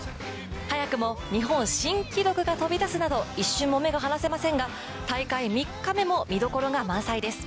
早くも日本新記録が飛び出すなど一瞬も目が離せませんが、大会３日目も見どころが満載です。